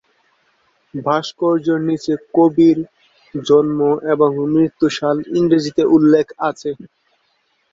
ভাস্কর্যের নিচে কবির জন্ম এবং মৃত্যু সাল ইংরেজিতে উল্লেখ আছে।